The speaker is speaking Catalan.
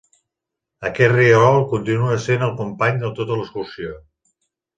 Aquest rierol continua sent el company de tota l'excursió.